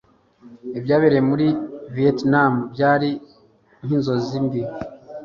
Ibyabereye muri Vietnam byari nkinzozi mbi.